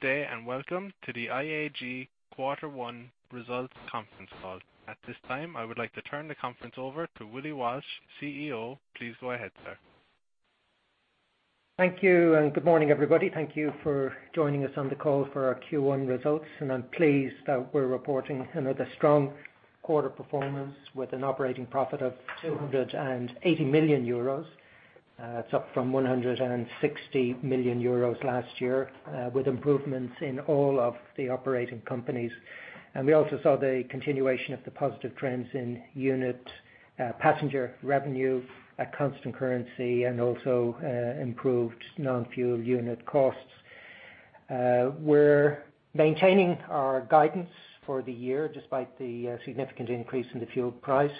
Good day and welcome to the IAG Quarter One Results conference call. At this time, I would like to turn the conference over to Willie Walsh, CEO. Please go ahead, sir. Thank you, good morning, everybody. Thank you for joining us on the call for our Q1 results. I'm pleased that we're reporting another strong quarter performance with an operating profit of 280 million euros. It's up from 160 million euros last year, with improvements in all of the operating companies. We also saw the continuation of the positive trends in unit passenger revenue at constant currency and also improved non-fuel unit costs. We're maintaining our guidance for the year despite the significant increase in the fuel price.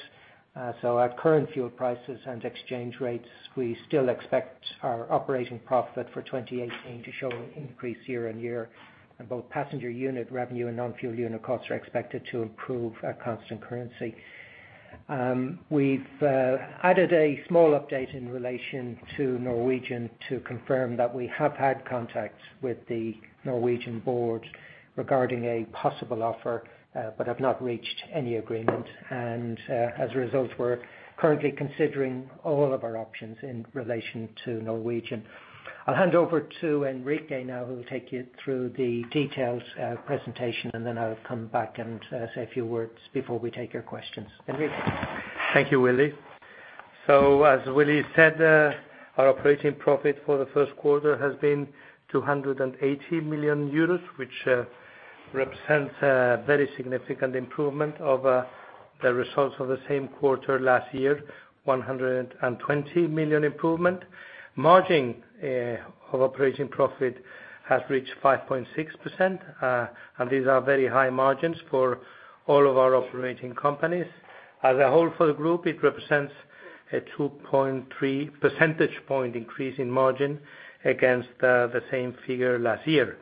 Our current fuel prices and exchange rates, we still expect our operating profit for 2018 to show an increase year-on-year. Both passenger unit revenue and non-fuel unit costs are expected to improve at constant currency. We've added a small update in relation to Norwegian Air Shuttle to confirm that we have had contact with the Norwegian Air Shuttle board regarding a possible offer, but have not reached any agreement. As a result, we're currently considering all of our options in relation to Norwegian Air Shuttle. I'll hand over to Enrique now, who will take you through the details of presentation. Then I'll come back and say a few words before we take your questions. Enrique? Thank you, Willie. As Willie said, our operating profit for the first quarter has been 280 million euros, which represents a very significant improvement over the results of the same quarter last year, 120 million improvement. Margin of operating profit has reached 5.6%. These are very high margins for all of our operating companies. As a whole for the group, it represents a 2.3 percentage point increase in margin against the same figure last year.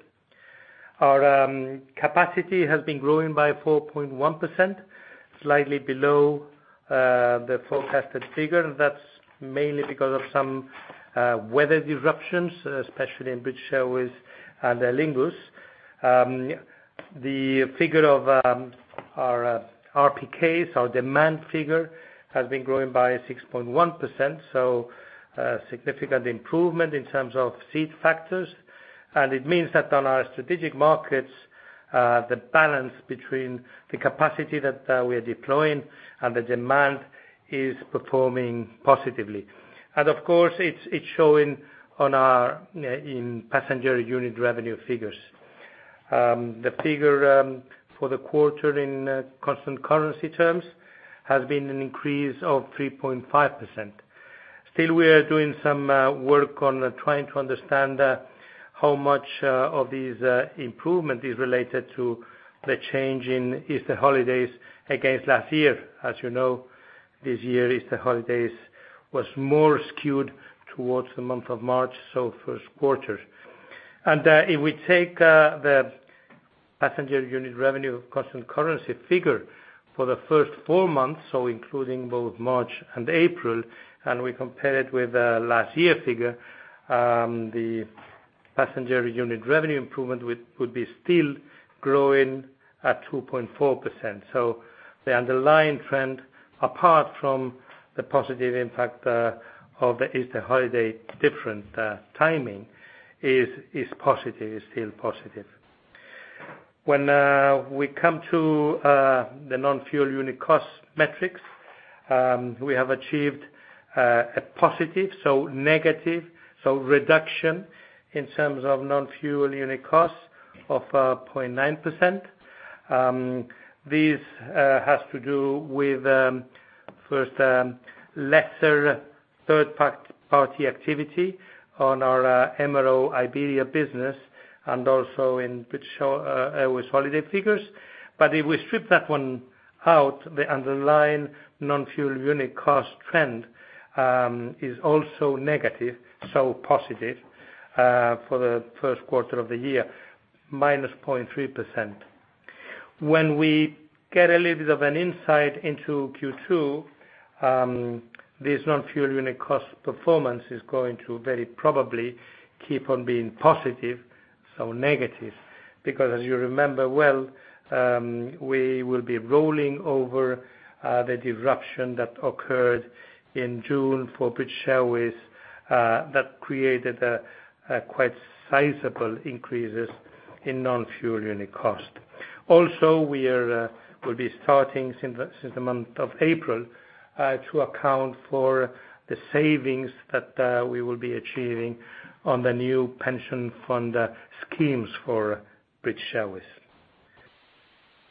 Our capacity has been growing by 4.1%, slightly below the forecasted figure. That's mainly because of some weather disruptions, especially in British Airways and Aer Lingus. The figure of our RPKs, our demand figure, has been growing by 6.1%, a significant improvement in terms of seat factors. It means that on our strategic markets, the balance between the capacity that we are deploying and the demand is performing positively. Of course, it's showing in passenger unit revenue figures. The figure for the quarter in constant currency terms has been an increase of 3.5%. Still, we are doing some work on trying to understand how much of this improvement is related to the change in Easter holidays against last year. As you know, this year, Easter holidays was more skewed towards the month of March, so first quarter. If we take the passenger unit revenue constant currency figure for the first four months, so including both March and April, and we compare it with last year's figure, the passenger unit revenue improvement would be still growing at 2.4%. The underlying trend, apart from the positive impact of the Easter holiday different timing, is still positive. When we come to the non-fuel unit cost metrics, we have achieved a positive reduction in terms of non-fuel unit costs of 0.9%. This has to do with, first, lesser third-party activity on our MRO Iberia business and also with British Airways holiday figures. If we strip that one out, the underlying non-fuel unit cost trend is also negative for the first quarter of the year, minus 0.3%. When we get a little bit of an insight into Q2, this non-fuel unit cost performance is going to very probably keep on being positive because as you remember well, we will be rolling over the disruption that occurred in June for British Airways, that created quite sizable increases in non-fuel unit cost. Also, we will be starting since the month of April, to account for the savings that we will be achieving on the new pension fund schemes for British Airways.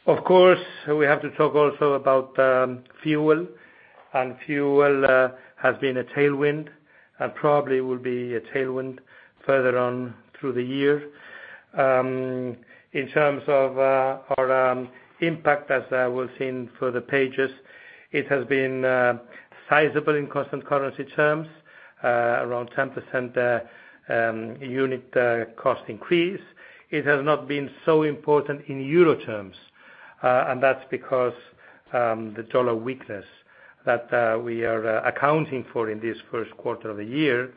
Of course, we have to talk also about fuel. Fuel has been a tailwind and probably will be a tailwind further on through the year. In terms of our impact, as we will see in further pages, it has been sizable in constant currency terms, around 10% unit cost increase. It has not been so important in EUR terms. That's because the dollar weakness that we are accounting for in this first quarter of the year.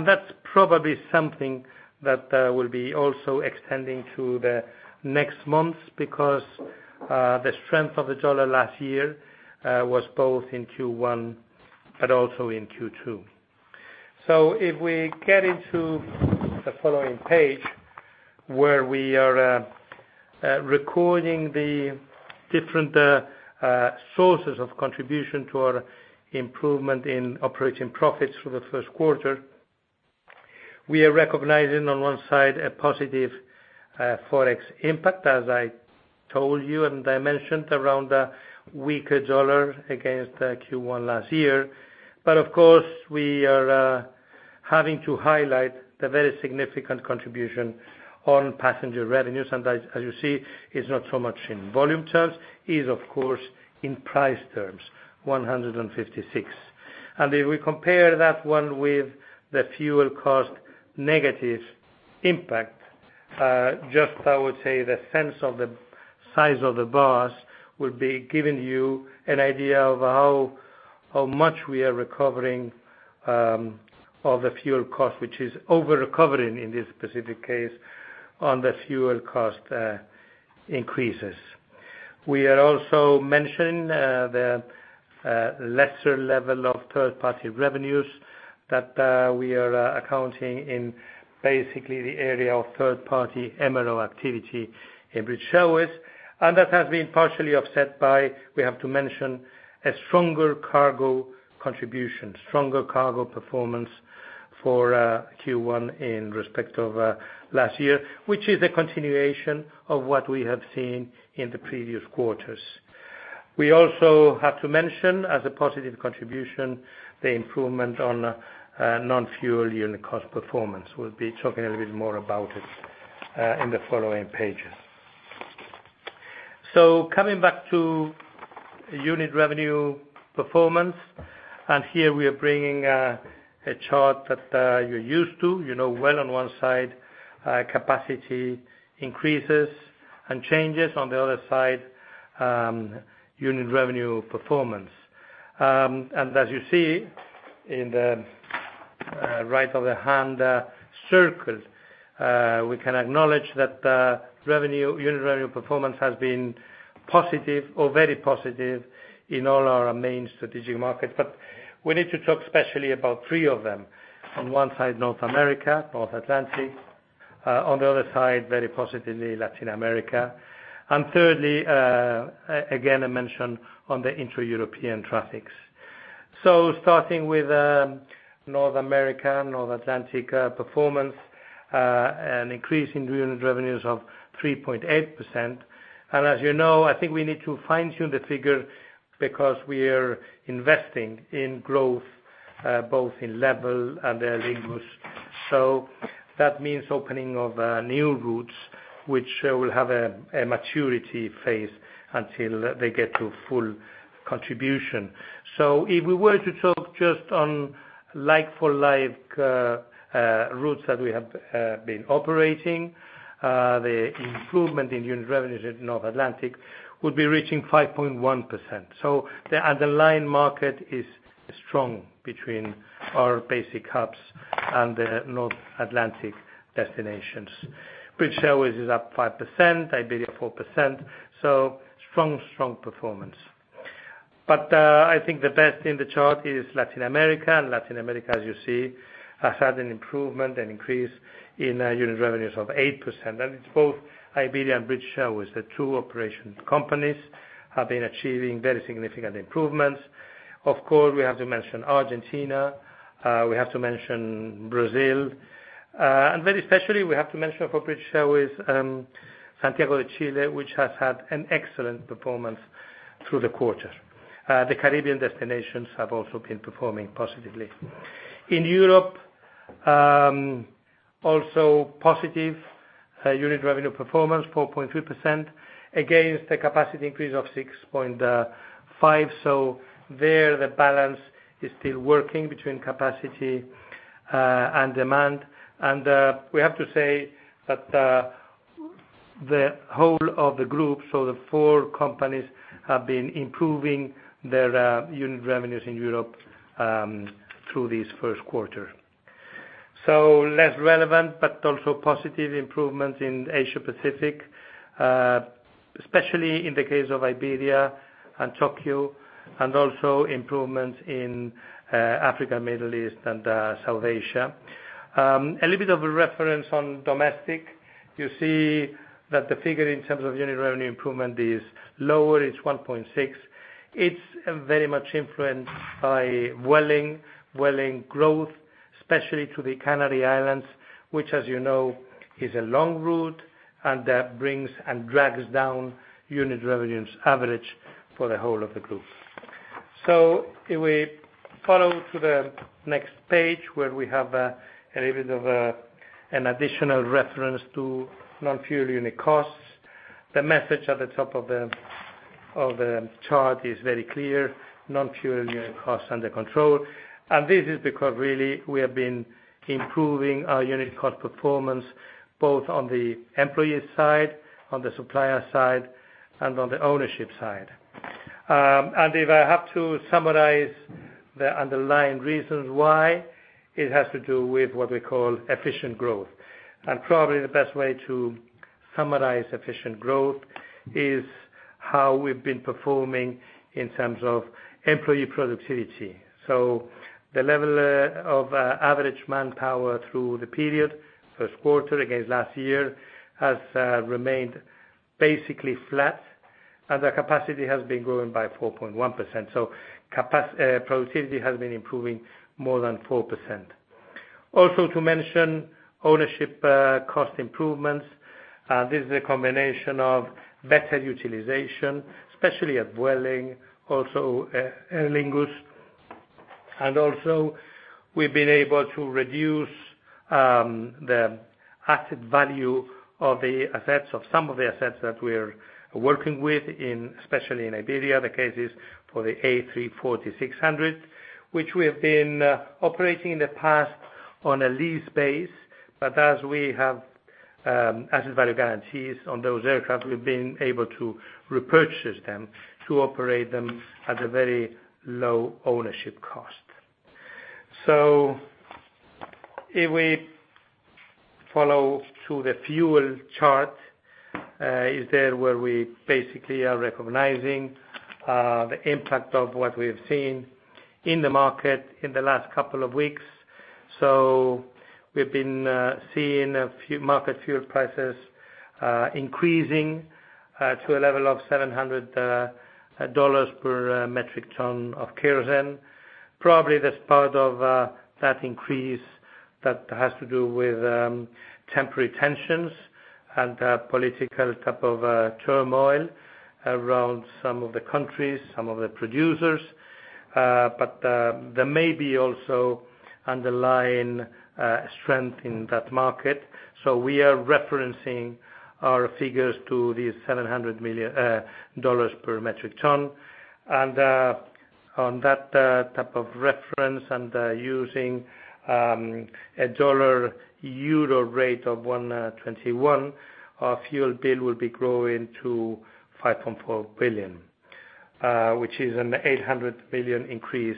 That's probably something that will be also extending to the next months, because the strength of the dollar last year was both in Q1 but also in Q2. If we get into the following page, where we are recording the different sources of contribution to our improvement in operating profits for the first quarter. We are recognizing, on one side, a positive Forex impact, as I told you, and I mentioned around the weaker dollar against Q1 last year. Of course, we are having to highlight the very significant contribution on passenger revenues. As you see, it's not so much in volume terms, is of course, in price terms, 156. If we compare that one with the fuel cost negative impact, just I would say the sense of the size of the bus will be giving you an idea of how much we are recovering of the fuel cost, which is over-recovering in this specific case, on the fuel cost increases. We are also mentioning the lesser level of third-party revenues that we are accounting in basically the area of third-party MRO activity in British Airways. That has been partially offset by, we have to mention, a stronger cargo contribution, stronger cargo performance for Q1 in respect of last year, which is a continuation of what we have seen in the previous quarters. We also have to mention, as a positive contribution, the improvement on non-fuel unit cost performance. We will be talking a little bit more about it in the following pages. Coming back to unit revenue performance, here we are bringing a chart that you are used to. You know well on one side, capacity increases and changes. On the other side, unit revenue performance. As you see in the right of the hand circle, we can acknowledge that unit revenue performance has been positive or very positive in all our main strategic markets. We need to talk especially about three of them. On one side, North America, North Atlantic. On the other side, very positively, Latin America. Thirdly, again, I mention on the intra-European traffics. Starting with North America, North Atlantic performance, an increase in unit revenues of 3.8%. As you know, I think we need to fine-tune the figure because we are investing in growth, both in LEVEL and Aer Lingus. That means opening of new routes, which will have a maturity phase until they get to full contribution. If we were to talk just on like-for-like routes that we have been operating, the improvement in unit revenues at North Atlantic would be reaching 5.1%. The underlying market is strong between our basic hubs and the North Atlantic destinations. British Airways is up 5%, Iberia 4%, so strong performance. I think the best in the chart is Latin America. Latin America, as you see, has had an improvement and increase in unit revenues of 8%. It is both Iberia and British Airways. The two operation companies have been achieving very significant improvements. Of course, we have to mention Argentina, we have to mention Brazil. Very specially, we have to mention for British Airways, Santiago de Chile, which has had an excellent performance through the quarter. The Caribbean destinations have also been performing positively. In Europe, also positive unit revenue performance, 4.3% against the capacity increase of 6.5%. There, the balance is still working between capacity and demand. We have to say that the whole of the group, the four companies, have been improving their unit revenues in Europe through this first quarter. Less relevant, but also positive improvements in Asia Pacific, especially in the case of Iberia and Tokyo, and also improvements in Africa, Middle East, and South Asia. A little bit of a reference on domestic. You see that the figure in terms of unit revenue improvement is lower, it is 1.6%. It is very much influenced by Vueling growth, especially to the Canary Islands, which, as you know, is a long route and that brings and drags down unit revenues average for the whole of the group. If we follow to the next page, where we have a little bit of an additional reference to non-fuel unit costs. The message at the top of the chart is very clear, non-fuel unit cost under control. This is because really we have been improving our unit cost performance both on the employee side, on the supplier side, and on the ownership side. If I have to summarize the underlying reasons why, it has to do with what we call efficient growth. Probably the best way to summarize efficient growth is how we've been performing in terms of employee productivity. The level of average manpower through the period, first quarter against last year, has remained basically flat, and the capacity has been growing by 4.1%. Productivity has been improving more than 4%. Also to mention, ownership cost improvements. This is a combination of better utilization, especially at Vueling, also Aer Lingus. Also we've been able to reduce the asset value of some of the assets that we're working with, especially in Iberia, the case is for the A340-600, which we have been operating in the past on a lease base. As we have asset value guarantees on those aircraft, we've been able to repurchase them to operate them at a very low ownership cost. If we follow through the fuel chart, is there where we basically are recognizing the impact of what we have seen in the market in the last couple of weeks. We've been seeing a few market fuel prices increasing to a level of $700 per metric ton of kerosene. Probably that's part of that increase that has to do with temporary tensions and political type of turmoil around some of the countries, some of the producers. There may be also underlying strength in that market. We are referencing our figures to the $700 per metric ton. On that type of reference, and using a dollar-euro rate of 1.21, our fuel bill will be growing to 5.4 billion, which is an 800 million increase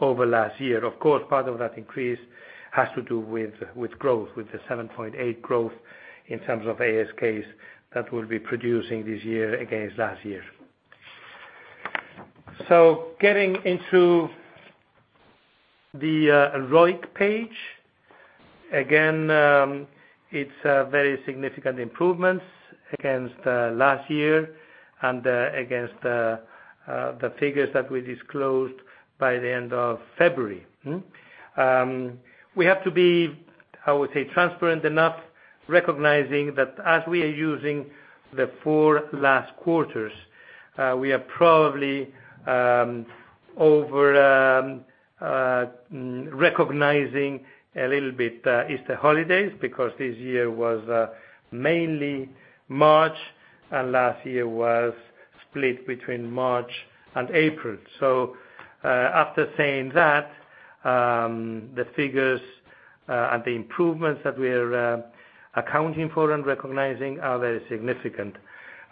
over last year. Of course, part of that increase has to do with growth, with the 7.8% growth in terms of ASK that we'll be producing this year against last year. Getting into the ROIC page. Again, it's very significant improvements against last year and against the figures that we disclosed by the end of February. We have to be, I would say, transparent enough, recognizing that as we are using the four last quarters, we are probably over-recognizing a little bit the Easter holidays, because this year was mainly March, and last year was split between March and April. After saying that, the figures and the improvements that we're accounting for and recognizing are very significant.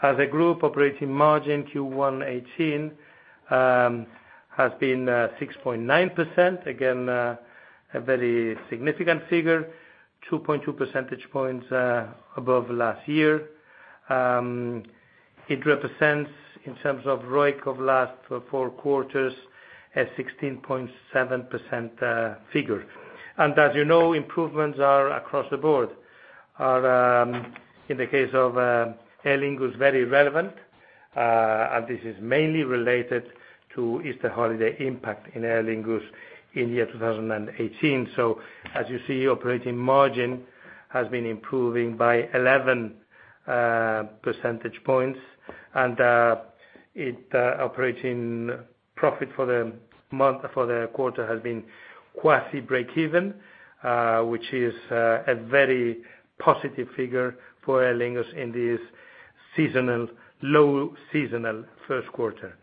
As a group, operating margin Q1 2018 has been 6.9%, again, a very significant figure, 2.2 percentage points above last year. It represents, in terms of ROIC of last four quarters, a 16.7% figure. As you know, improvements are across the board. In the case of Aer Lingus, very relevant, and this is mainly related to Easter holiday impact in Aer Lingus in year 2018. As you see, operating margin has been improving by 11 percentage points. Its operating profit for the quarter has been quasi breakeven, which is a very positive figure for Aer Lingus in this low seasonal first quarter.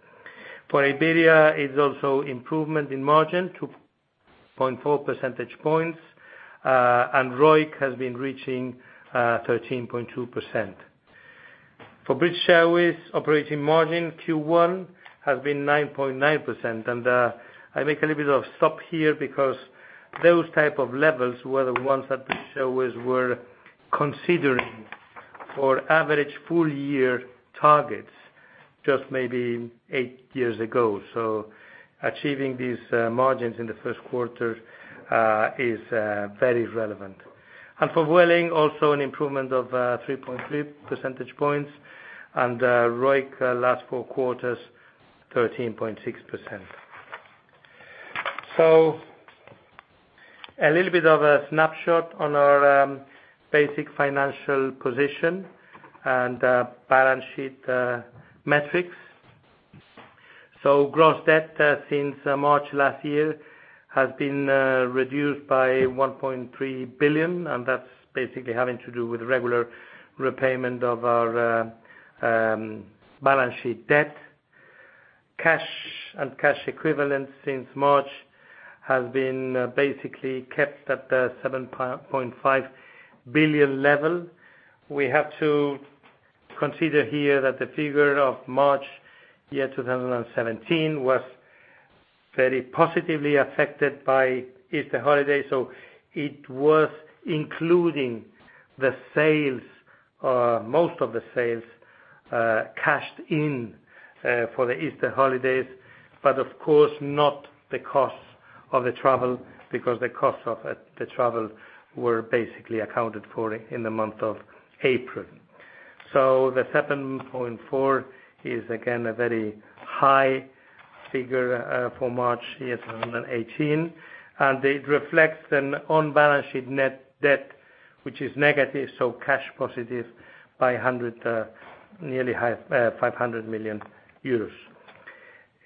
For Iberia, it is also improvement in margin, 2.4 percentage points, and ROIC has been reaching 13.2%. For British Airways, operating margin Q1 has been 9.9%. I make a little bit of stop here because those type of levels were the ones that British Airways were considering for average full year targets just maybe eight years ago. Achieving these margins in the first quarter is very relevant. For Vueling, also an improvement of 3.3 percentage points, and ROIC last four quarters, 13.6%. A little bit of a snapshot on our basic financial position and balance sheet metrics. Gross debt since March last year has been reduced by 1.3 billion, and that is basically having to do with the regular repayment of our balance sheet debt. Cash and cash equivalents since March has been basically kept at the 7.5 billion level. We have to consider here that the figure of March 2017 was very positively affected by Easter Holiday, so it was including most of the sales cashed in for the Easter Holidays, but of course not the costs of the travel, because the costs of the travel were basically accounted for in the month of April. The 7.4 billion is again a very high figure for March 2018. It reflects an on-balance sheet net debt, which is negative, so cash positive by nearly 500 million euros.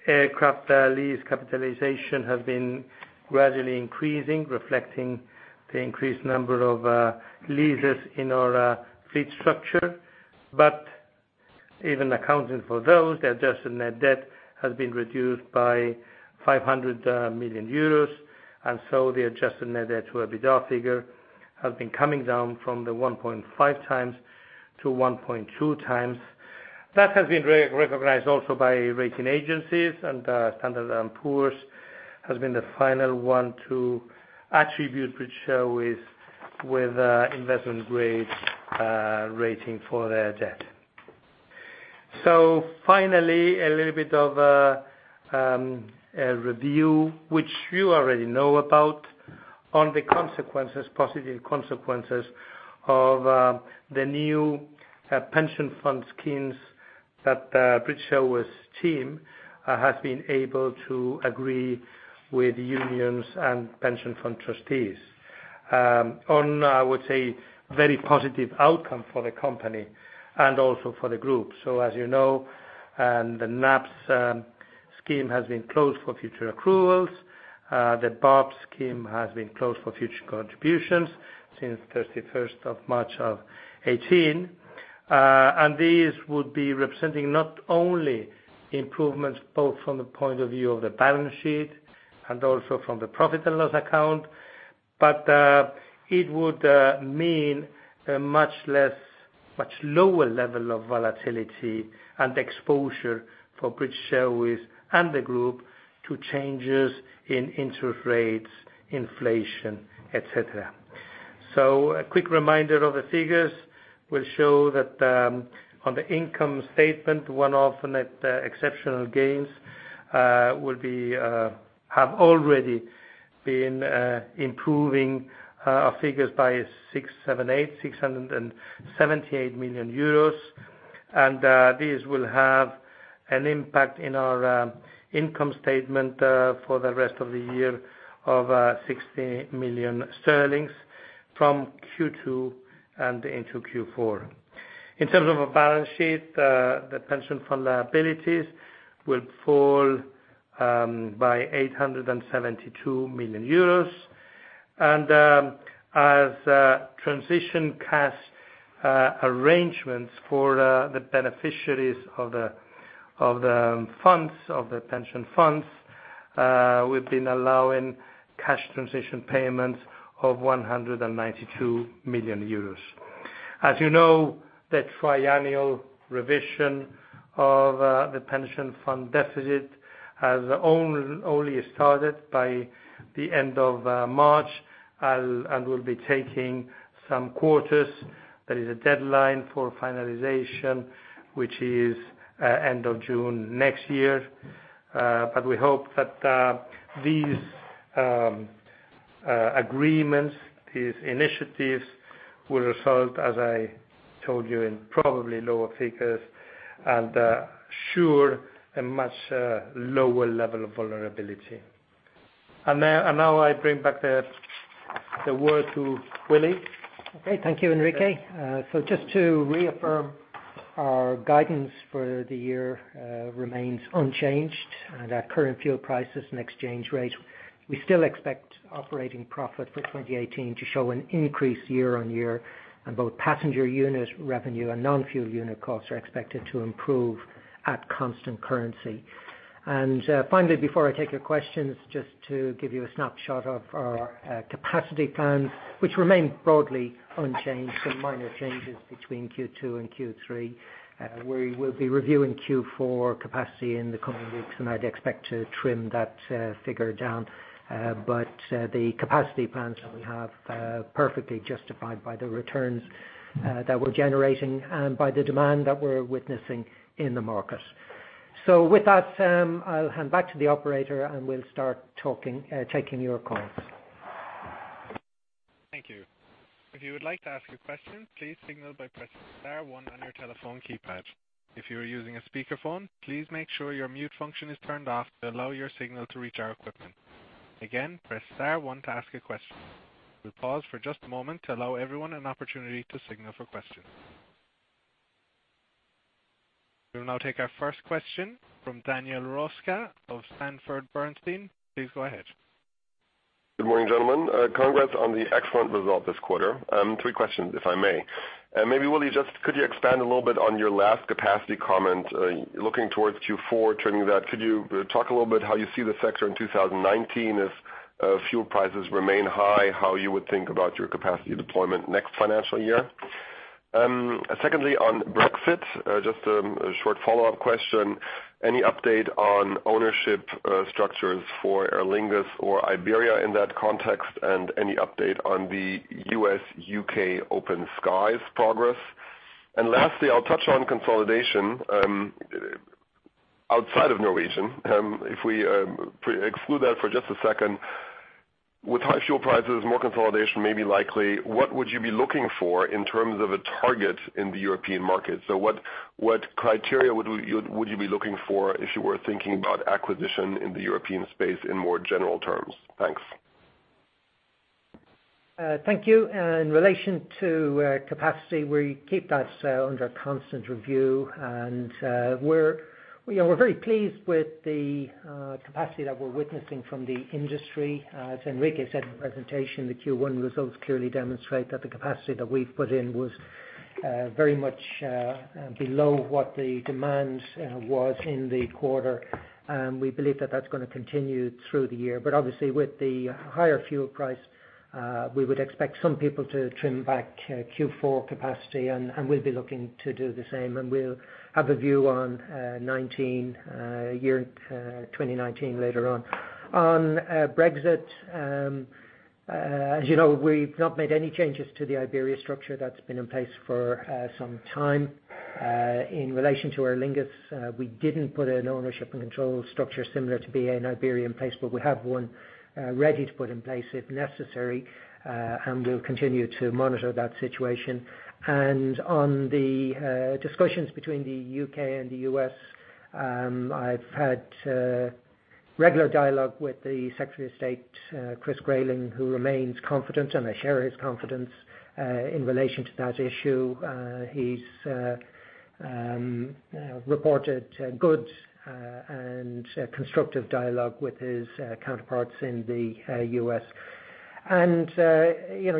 Aircraft lease capitalization has been gradually increasing, reflecting the increased number of leases in our fleet structure. Even accounting for those, the adjusted net debt has been reduced by 500 million euros, the adjusted net debt to EBITDA figure has been coming down from the 1.5 times to 1.2 times. That has been recognized also by rating agencies, and Standard & Poor's has been the final one to attribute British Airways with investment grade rating for their debt. Finally, a little bit of a review, which you already know about, on the positive consequences of the new pension fund schemes that British Airways team has been able to agree with unions and pension fund trustees. I would say, a very positive outcome for the company and also for the group. As you know, the NAPS scheme has been closed for future accruals. The BARP scheme has been closed for future contributions since 31st of March 2018. These would be representing not only improvements both from the point of view of the balance sheet and also from the profit and loss account, but it would mean a much lower level of volatility and exposure for British Airways and the group to changes in interest rates, inflation, et cetera. A quick reminder of the figures will show that on the income statement, one-off net exceptional gains have already been improving our figures by 678 million euros. These will have an impact in our income statement for the rest of the year of 60 million sterling from Q2 and into Q4. In terms of our balance sheet, the pension fund liabilities will fall by 872 million euros. As transition cash arrangements for the beneficiaries of the pension funds we have been allowing cash transition payments of 192 million euros. As you know, the triennial revision of the pension fund deficit has only started by the end of March and will be taking some quarters. There is a deadline for finalization, which is end of June next year. We hope that these agreements, these initiatives, will result, as I told you, in probably lower figures and sure, a much lower level of vulnerability. Now I bring back the word to Willie. Okay. Thank you, Enrique. Just to reaffirm our guidance for the year remains unchanged at our current fuel prices and exchange rate. We still expect operating profit for 2018 to show an increase year-on-year, and both passenger unit revenue and non-fuel unit costs are expected to improve at constant currency. Finally, before I take your questions, just to give you a snapshot of our capacity plans, which remain broadly unchanged. Some minor changes between Q2 and Q3. We will be reviewing Q4 capacity in the coming weeks, and I'd expect to trim that figure down. The capacity plans that we have are perfectly justified by the returns that we're generating and by the demand that we're witnessing in the market. With that, I'll hand back to the operator, and we'll start taking your calls. Thank you. If you would like to ask a question, please signal by pressing star one on your telephone keypad. If you are using a speakerphone, please make sure your mute function is turned off to allow your signal to reach our equipment. Again, press star one to ask a question. We'll pause for just a moment to allow everyone an opportunity to signal for questions. We'll now take our first question from Daniel Roeska of Sanford C. Bernstein. Please go ahead. Good morning, gentlemen. Congrats on the excellent result this quarter. Three questions, if I may. Maybe Willie, could you expand a little bit on your last capacity comment, looking towards Q4, turning that, could you talk a little how you see the sector in 2019, if fuel prices remain high, how you would think about your capacity deployment next financial year? Secondly, on Brexit, just a short follow-up question. Any update on ownership structures for Aer Lingus or Iberia in that context? Any update on the U.S.-U.K. Open Skies progress? Lastly, I'll touch on consolidation outside of Norwegian. If we exclude that for just a second, with high fuel prices, more consolidation may be likely. What would you be looking for in terms of a target in the European market? What criteria would you be looking for if you were thinking about acquisition in the European space in more general terms? Thanks. Thank you. In relation to capacity, we keep that under constant review. We're very pleased with the capacity that we're witnessing from the industry. As Enrique said in the presentation, the Q1 results clearly demonstrate that the capacity that we've put in was very much below what the demand was in the quarter. We believe that that's going to continue through the year. Obviously with the higher fuel price, we would expect some people to trim back Q4 capacity, and we'll be looking to do the same. We'll have a view on year 2019 later on. On Brexit, as you know, we've not made any changes to the Iberia structure that's been in place for some time. In relation to Aer Lingus, we didn't put an ownership and control structure similar to BA and Iberia in place, but we have one ready to put in place if necessary, and we'll continue to monitor that situation. On the discussions between the U.K. and the U.S., I've had regular dialogue with the Secretary of State, Chris Grayling, who remains confident, and I share his confidence, in relation to that issue. He's reported good and constructive dialogue with his counterparts in the U.S.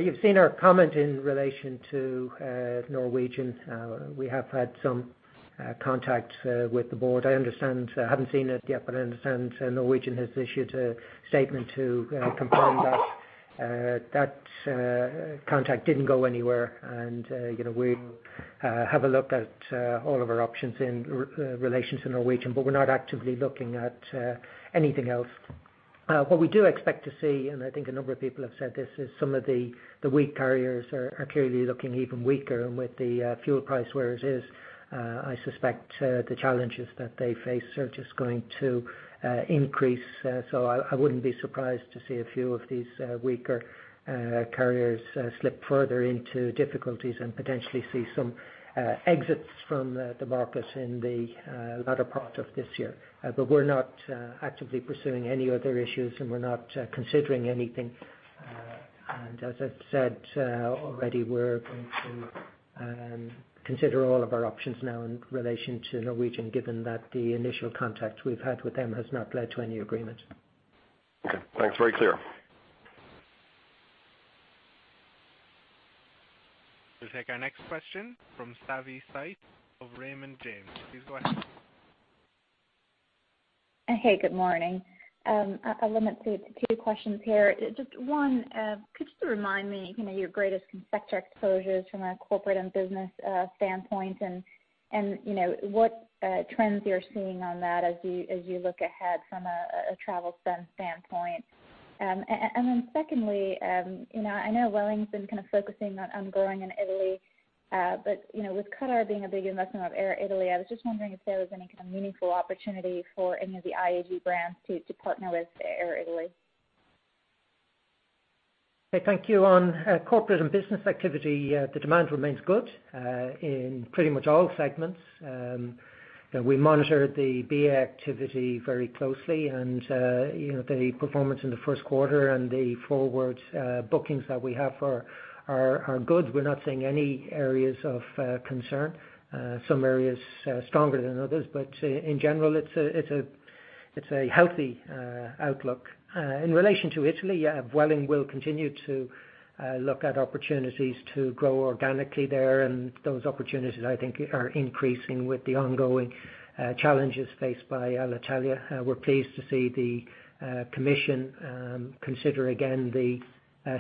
You've seen our comment in relation to Norwegian. We have had some contact with the board. I haven't seen it yet, but I understand Norwegian has issued a statement to confirm that contact didn't go anywhere. We'll have a look at all of our options in relations to Norwegian, but we're not actively looking at anything else. What we do expect to see, and I think a number of people have said this, is some of the weak carriers are clearly looking even weaker. With the fuel price where it is, I suspect the challenges that they face are just going to increase. I wouldn't be surprised to see a few of these weaker carriers slip further into difficulties and potentially see some exits from the market in the latter part of this year. We're not actively pursuing any other issues, and we're not considering anything. As I've said already, we're going to consider all of our options now in relation to Norwegian, given that the initial contact we've had with them has not led to any agreement. Okay, thanks. Very clear. We'll take our next question from Savanthi Syth of Raymond James. Please go ahead. Hey, good morning. I limited it to two questions here. Just one, could you remind me your greatest sector exposures from a corporate and business standpoint, and what trends you're seeing on that as you look ahead from a travel spend standpoint? Secondly, I know Vueling's been kind of focusing on growing in Italy. But with Qatar being a big investor of Air Italy, I was just wondering if there was any kind of meaningful opportunity for any of the IAG brands to partner with Air Italy. Okay, thank you. On corporate and business activity, the demand remains good in pretty much all segments. We monitor the BA activity very closely. The performance in the first quarter and the forward bookings that we have are good. We're not seeing any areas of concern. Some areas stronger than others. But in general, it's a healthy outlook. In relation to Italy, Vueling will continue to look at opportunities to grow organically there. Those opportunities, I think, are increasing with the ongoing challenges faced by Alitalia. We're pleased to see the commission consider again the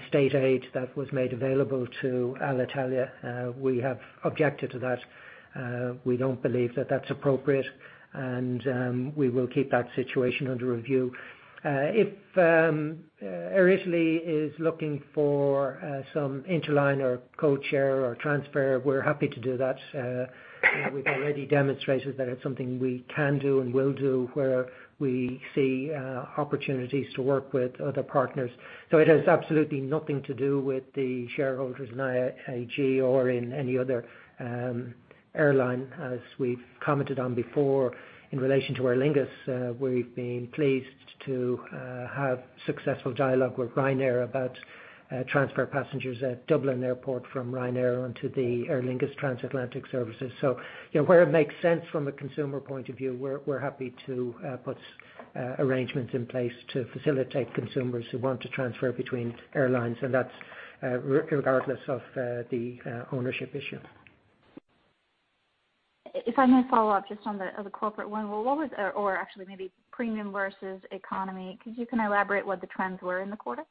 state aid that was made available to Alitalia. We have objected to that. We don't believe that that's appropriate, and we will keep that situation under review. If Air Italy is looking for some interline or code share or transfer, we're happy to do that. We've already demonstrated that it's something we can do and will do where we see opportunities to work with other partners. It has absolutely nothing to do with the shareholders in IAG or in any other airline. As we've commented on before in relation to Aer Lingus, we've been pleased to have successful dialogue with Ryanair about transfer passengers at Dublin Airport from Ryanair onto the Aer Lingus transatlantic services. Where it makes sense from a consumer point of view, we're happy to put arrangements in place to facilitate consumers who want to transfer between airlines, and that's regardless of the ownership issue. If I may follow up just on the corporate one. Actually maybe premium versus economy. Could you elaborate what the trends were in the quarter?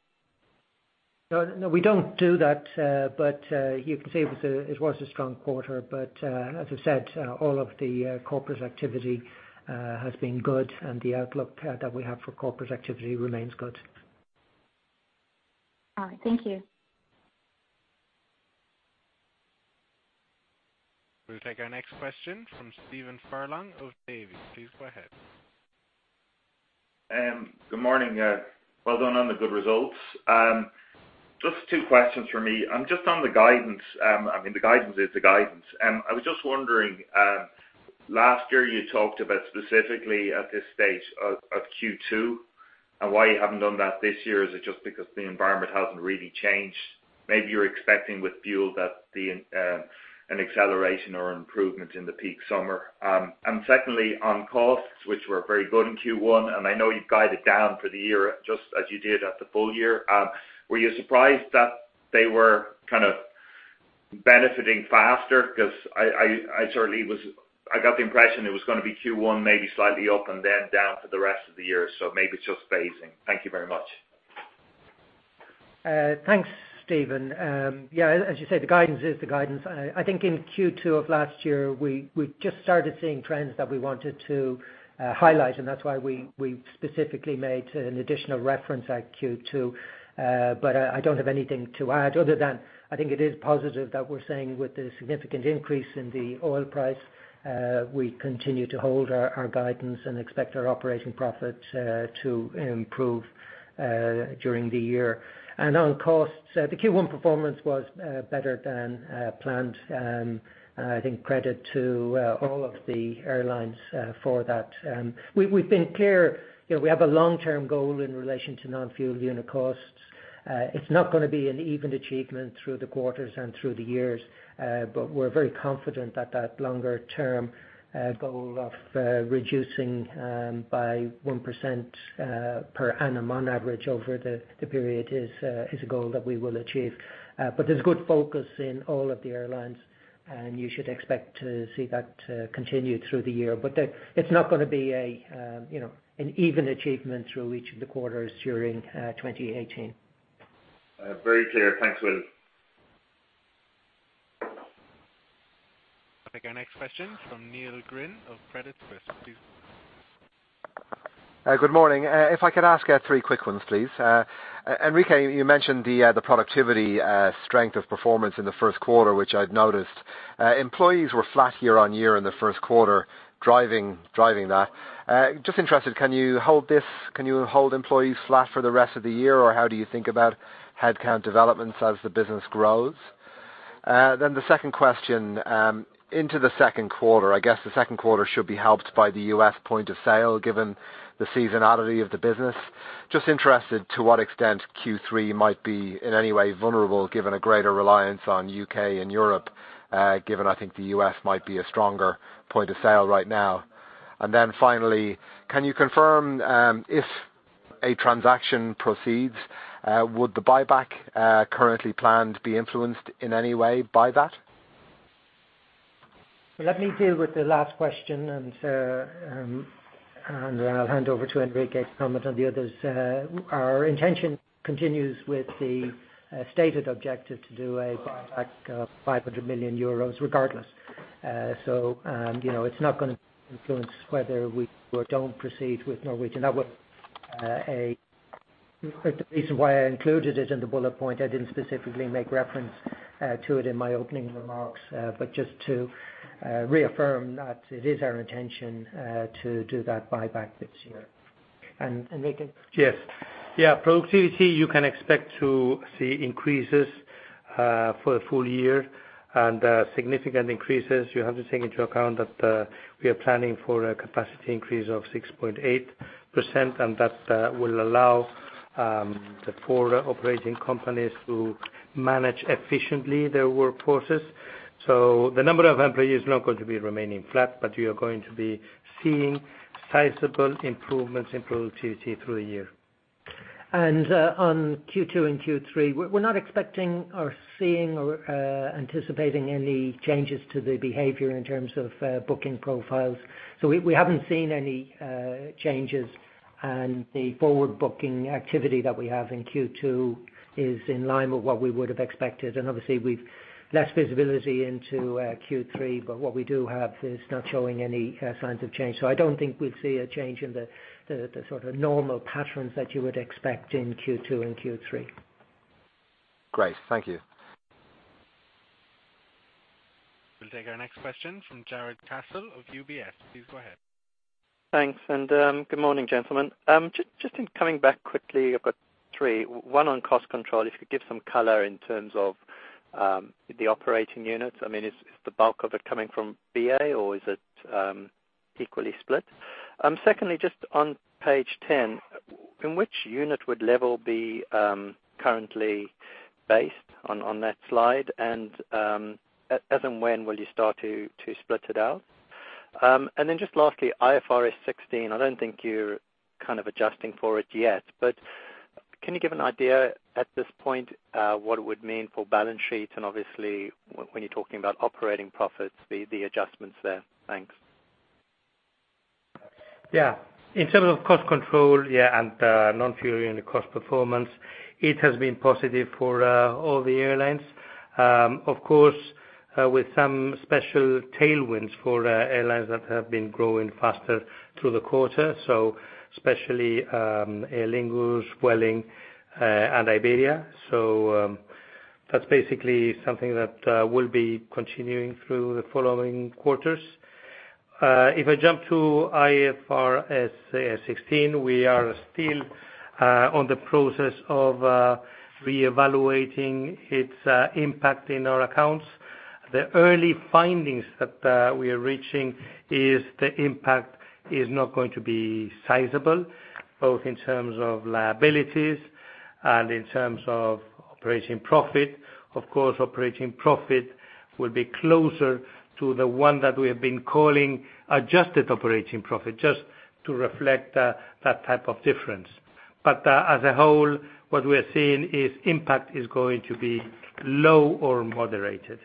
No, we don't do that. You can say it was a strong quarter. As I said, all of the corporate activity has been good, and the outlook that we have for corporate activity remains good. All right. Thank you. We'll take our next question from Stephen Furlong of Davy. Please go ahead. Good morning. Well done on the good results. Just two questions from me. Just on the guidance. The guidance is the guidance. I was just wondering, last year you talked about specifically at this stage of Q2, why you haven't done that this year. Is it just because the environment hasn't really changed? Maybe you're expecting with fuel that an acceleration or improvement in the peak summer. Secondly, on costs, which were very good in Q1, I know you've guided down for the year just as you did at the full year. Were you surprised that they were kind of benefiting faster? I certainly got the impression it was going to be Q1, maybe slightly up and then down for the rest of the year. Maybe it's just phasing. Thank you very much. Thanks, Stephen. Yeah, as you say, the guidance is the guidance. I think in Q2 of last year, we just started seeing trends that we wanted to highlight, that's why we specifically made an additional reference at Q2. I don't have anything to add other than, I think it is positive that we're saying with the significant increase in the oil price, we continue to hold our guidance and expect our operating profit to improve during the year. On costs, the Q1 performance was better than planned. I think credit to all of the airlines for that. We've been clear. We have a long-term goal in relation to non-fuel unit costs. It's not going to be an even achievement through the quarters and through the years. We're very confident that that longer-term goal of reducing by 1% per annum on average over the period is a goal that we will achieve. There's good focus in all of the airlines, you should expect to see that continue through the year. It's not going to be an even achievement through each of the quarters during 2018. Very clear. Thanks, Willie. Take our next question from Neil Glynn of Credit Suisse. Good morning. If I could ask three quick ones, please. Enrique, you mentioned the productivity strength of performance in the first quarter, which I've noticed. Employees were flat year-over-year in the first quarter, driving that. Just interested, can you hold employees flat for the rest of the year, or how do you think about headcount developments as the business grows? The second question, into the second quarter. I guess the second quarter should be helped by the U.S. point of sale given the seasonality of the business. Just interested to what extent Q3 might be in any way vulnerable given a greater reliance on U.K. and Europe, given I think the U.S. might be a stronger point of sale right now. Finally, can you confirm if a transaction proceeds, would the buyback currently planned be influenced in any way by that? Let me deal with the last question, and I'll hand over to Enrique to comment on the others. Our intention continues with the stated objective to do a buyback of 500 million euros regardless. It's not going to influence whether we do or don't proceed with Norwegian. The reason why I included it in the bullet point, I didn't specifically make reference to it in my opening remarks. Just to reaffirm that it is our intention to do that buyback this year. Enrique. Yes. Productivity you can expect to see increases for the full year, and significant increases. You have to take into account that we are planning for a capacity increase of 6.8%, and that will allow the four operating companies to manage efficiently their workforces. The number of employees is not going to be remaining flat, but you're going to be seeing sizable improvements in productivity through the year. On Q2 and Q3, we're not expecting or seeing or anticipating any changes to the behavior in terms of booking profiles. We haven't seen any changes, and the forward booking activity that we have in Q2 is in line with what we would have expected. Obviously we've less visibility into Q3, but what we do have is not showing any signs of change. I don't think we'll see a change in the sort of normal patterns that you would expect in Q2 and Q3. Great. Thank you. We'll take our next question from Jarrod Castle of UBS. Please go ahead. Thanks, good morning, gentlemen. Coming back quickly, I've got three. One on cost control, if you could give some color in terms of the operating units. Is the bulk of it coming from BA or is it equally split? Secondly, on page 10. In which unit would LEVEL be currently based on that slide? As and when will you start to split it out? Lastly, IFRS 16. I don't think you're kind of adjusting for it yet. Can you give an idea at this point, what it would mean for balance sheets and obviously when you're talking about operating profits, the adjustments there? Thanks. In terms of cost control, non-fuel unit cost performance, it has been positive for all the airlines. Of course, with some special tailwinds for airlines that have been growing faster through the quarter, especially Aer Lingus, Vueling, and Iberia. That's basically something that will be continuing through the following quarters. If I jump to IFRS 16, we are still on the process of reevaluating its impact in our accounts. The early findings that we are reaching is the impact is not going to be sizable, both in terms of liabilities and in terms of operating profit. Of course, operating profit will be closer to the one that we have been calling adjusted operating profit, just to reflect that type of difference. As a whole, what we're seeing is impact is going to be low or moderated.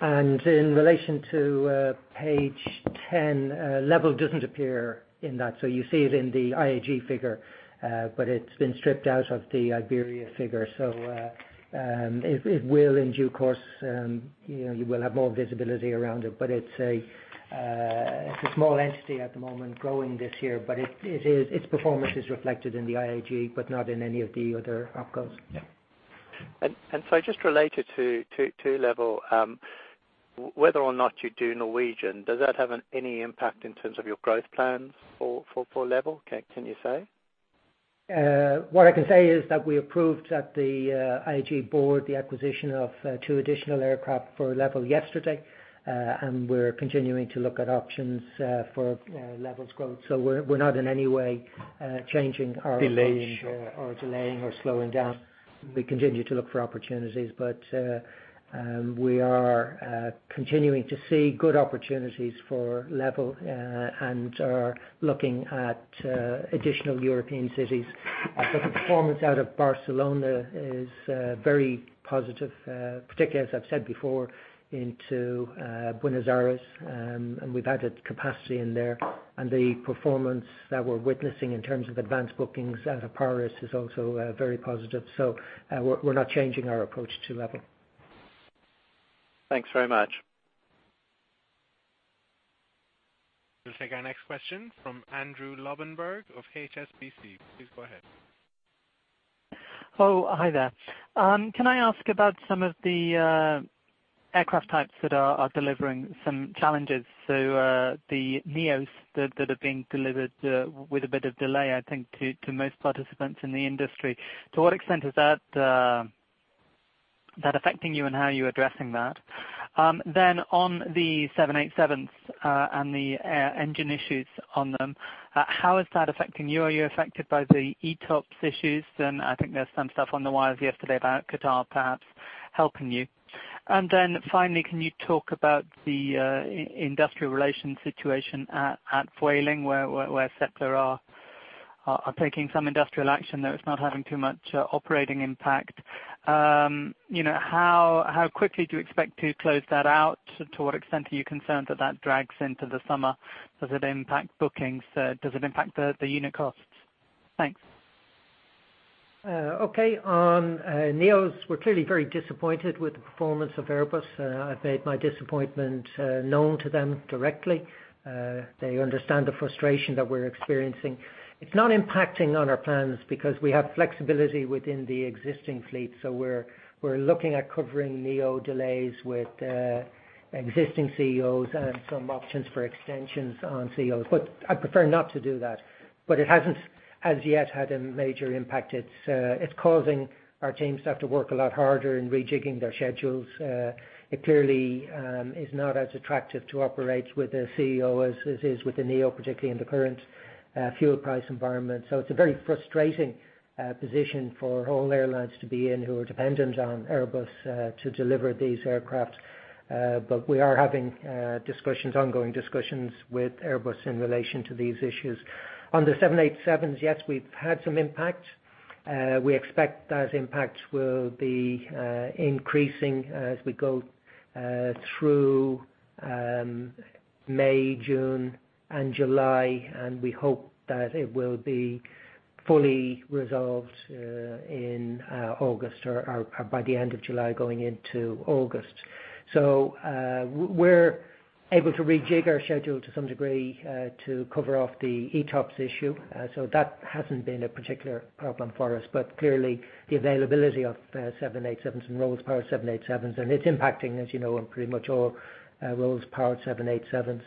In relation to page 10, LEVEL doesn't appear in that. You see it in the IAG figure, but it's been stripped out of the Iberia figure. It will in due course, you will have more visibility around it, but it's a small entity at the moment, growing this year. Its performance is reflected in the IAG, but not in any of the other opcos. Yeah. Related to LEVEL, whether or not you do Norwegian, does that have any impact in terms of your growth plans for LEVEL? Can you say? What I can say is that we approved at the IAG board the acquisition of two additional aircraft for LEVEL yesterday. We're continuing to look at options for LEVEL's growth. We're not in any way changing our approach- Delaying Delaying or slowing down. We continue to look for opportunities. We are continuing to see good opportunities for LEVEL, and are looking at additional European cities. The performance out of Barcelona is very positive, particularly as I've said before, into Buenos Aires. We've added capacity in there. The performance that we're witnessing in terms of advanced bookings out of Paris is also very positive. We're not changing our approach to LEVEL. Thanks very much. We'll take our next question from Andrew Lobbenberg of HSBC. Please go ahead. Oh, hi there. Can I ask about some of the aircraft types that are delivering some challenges? The NEOs that are being delivered with a bit of delay, I think, to most participants in the industry. To what extent is that affecting you, and how are you addressing that? On the 787s, and the engine issues on them, how is that affecting you? Are you affected by the ETOPS issues? I think there's some stuff on the wires yesterday about Qatar perhaps helping you. Finally, can you talk about the industrial relation situation at Vueling, where SEPLA are taking some industrial action, though it's not having too much operating impact. How quickly do you expect to close that out? To what extent are you concerned that drags into the summer? Does it impact bookings? Does it impact the unit costs? Thanks. Okay. On NEOs, we're clearly very disappointed with the performance of Airbus. I've made my disappointment known to them directly. They understand the frustration that we're experiencing. It's not impacting on our plans because we have flexibility within the existing fleet. We're looking at covering NEO delays with existing CEOs and some options for extensions on CEOs. I'd prefer not to do that. It hasn't as yet had a major impact. It's causing our teams to have to work a lot harder in rejigging their schedules. It clearly is not as attractive to operate with a CEO as it is with a NEO, particularly in the current fuel price environment. It's a very frustrating position for all airlines to be in who are dependent on Airbus to deliver these aircraft. We are having ongoing discussions with Airbus in relation to these issues. On the 787s, yes, we've had some impact. We expect those impacts will be increasing as we go through May, June, and July, and we hope that it will be fully resolved in August or by the end of July going into August. We're able to rejig our schedule to some degree, to cover off the ETOPS issue. That hasn't been a particular problem for us. Clearly the availability of 787s and Rolls-Royce 787s, and it's impacting, as you know, on pretty much all Rolls-Royce powered 787s,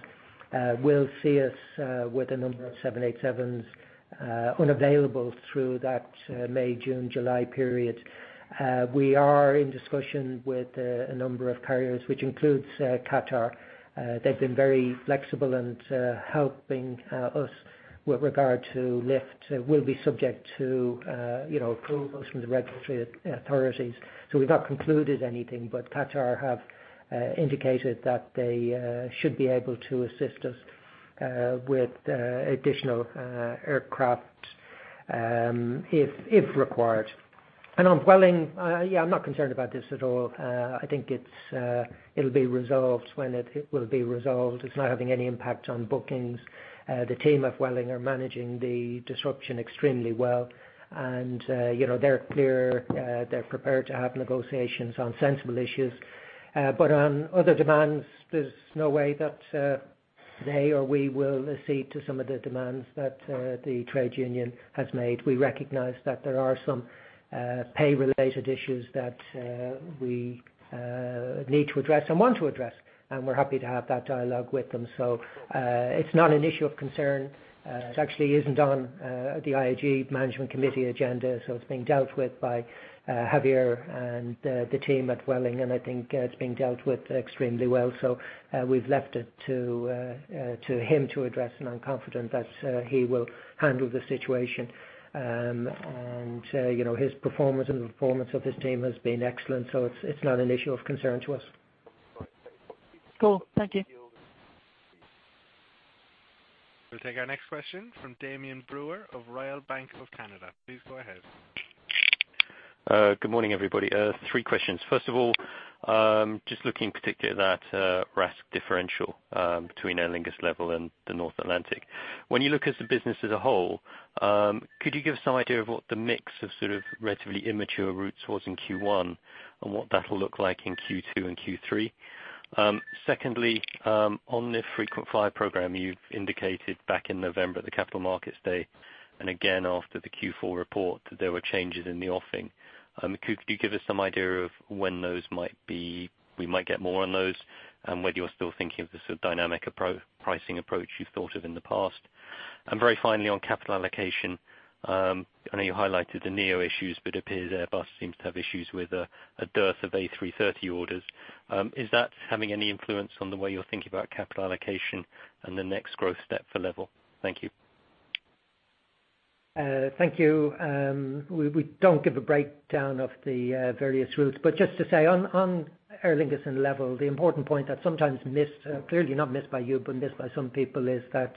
will see us with a number of 787s unavailable through that May, June, July period. We are in discussion with a number of carriers, which includes Qatar. They've been very flexible and helping us with regard to lift will be subject to approvals from the regulatory authorities. We've not concluded anything, Qatar have indicated that they should be able to assist us. With additional aircraft if required. On Vueling, yeah, I'm not concerned about this at all. I think it'll be resolved when it will be resolved. It's not having any impact on bookings. The team of Vueling are managing the disruption extremely well, and they're clear they're prepared to have negotiations on sensible issues. On other demands, there's no way that they or we will accede to some of the demands that the trade union has made. We recognize that there are some pay-related issues that we need to address and want to address, and we're happy to have that dialogue with them. It's not an issue of concern. It actually isn't on the IAG Management Committee agenda, so it's being dealt with by Javier and the team at Vueling, and I think it's being dealt with extremely well. We've left it to him to address, and I'm confident that he will handle the situation. His performance and the performance of his team has been excellent, so it's not an issue of concern to us. Cool. Thank you. We'll take our next question from Damian Brewer of Royal Bank of Canada. Please go ahead. Good morning, everybody. Three questions. First of all, just looking particularly at that RASK differential between Aer Lingus, LEVEL, and the North Atlantic. When you look at the business as a whole, could you give us some idea of what the mix of sort of relatively immature routes was in Q1 and what that'll look like in Q2 and Q3? Secondly, on the frequent flyer program, you've indicated back in November at the Capital Markets Day and again after the Q4 report, that there were changes in the offing. Could you give us some idea of when we might get more on those, and whether you're still thinking of the sort of dynamic pricing approach you've thought of in the past? Very finally, on capital allocation, I know you highlighted the NEO issues, but it appears Airbus seems to have issues with a dearth of A330 orders. Is that having any influence on the way you're thinking about capital allocation and the next growth step for LEVEL? Thank you. Thank you. We don't give a breakdown of the various routes, but just to say, on Aer Lingus and LEVEL, the important point that's sometimes missed, clearly not missed by you, but missed by some people is that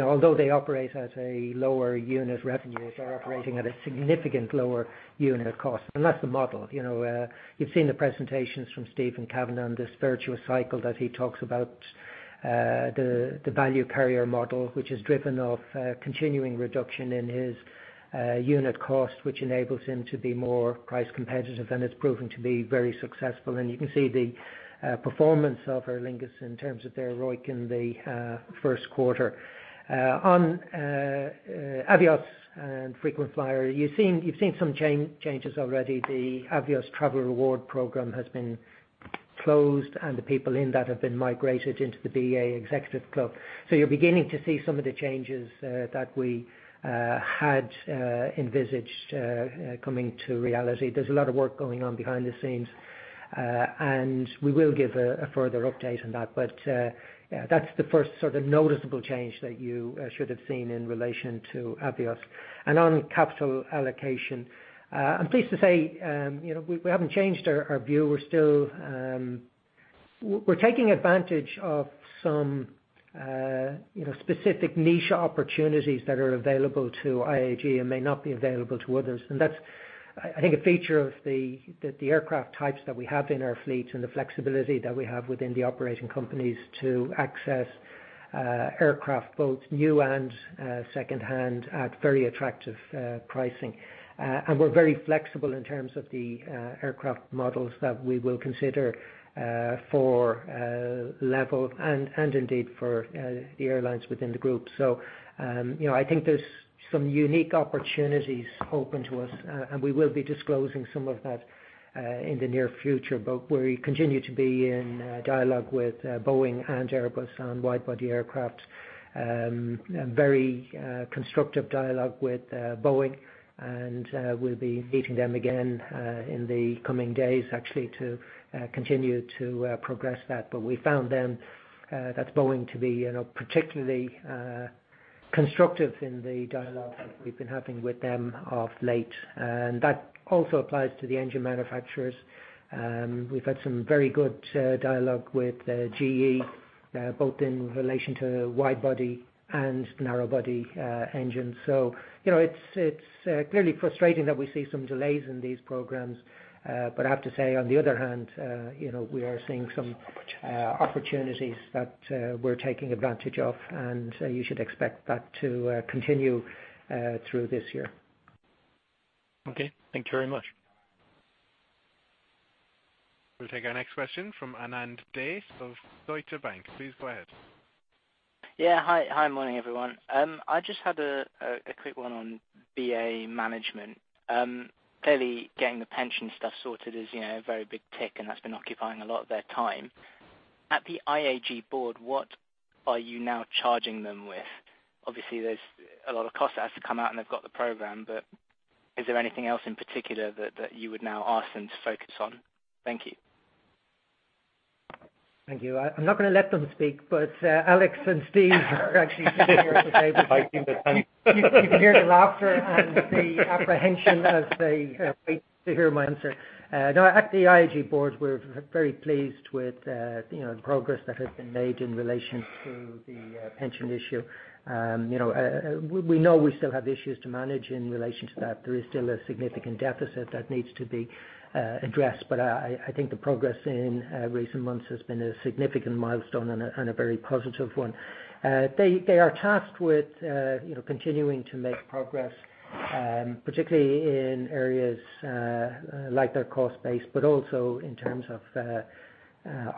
although they operate at a lower unit revenue, they're operating at a significant lower unit cost. That's the model. You've seen the presentations from Stephen Kavanagh and this virtuous cycle that he talks about, the value carrier model, which is driven off continuing reduction in his unit cost, which enables him to be more price competitive, and it's proven to be very successful. You can see the performance of Aer Lingus in terms of their ROIC in the first quarter. On Avios and frequent flyer, you've seen some changes already. The Avios Travel Rewards Programme has been closed, and the people in that have been migrated into the BA Executive Club. You're beginning to see some of the changes that we had envisaged coming to reality. There's a lot of work going on behind the scenes. We will give a further update on that, but that's the first noticeable change that you should have seen in relation to Avios. On capital allocation, I'm pleased to say we haven't changed our view. We're taking advantage of some specific niche opportunities that are available to IAG and may not be available to others. That's, I think, a feature of the aircraft types that we have in our fleet and the flexibility that we have within the operating companies to access aircraft, both new and secondhand, at very attractive pricing. We're very flexible in terms of the aircraft models that we will consider for LEVEL and indeed for the airlines within the group. I think there's some unique opportunities open to us, and we will be disclosing some of that in the near future. We continue to be in dialogue with Boeing and Airbus on wide-body aircraft, very constructive dialogue with Boeing, and we'll be meeting them again in the coming days actually to continue to progress that. We found them, that's Boeing, to be particularly constructive in the dialogue that we've been having with them of late. That also applies to the engine manufacturers. We've had some very good dialogue with GE, both in relation to wide-body and narrow-body engines. It's clearly frustrating that we see some delays in these programs. I have to say, on the other hand, we are seeing some opportunities that we're taking advantage of, and you should expect that to continue through this year. Okay. Thank you very much. We'll take our next question from Anand Date of Deutsche Bank. Please go ahead. Yeah. Hi, morning, everyone. I just had a quick one on BA management. Clearly, getting the pension stuff sorted is a very big tick, and that's been occupying a lot of their time. At the IAG board, what are you now charging them with? Obviously, there's a lot of cost that has to come out, and they've got the program, but is there anything else in particular that you would now ask them to focus on? Thank you. Thank you. I'm not going to let them speak, but Alex and Steve are actually sitting here today. You can hear the laughter and the apprehension as they wait to hear my answer. No, at the IAG board, we're very pleased with the progress that has been made in relation to the pension issue. We know we still have issues to manage in relation to that. There is still a significant deficit that needs to be addressed. I think the progress in recent months has been a significant milestone and a very positive one. They are tasked with continuing to make progress, particularly in areas like their cost base, but also in terms of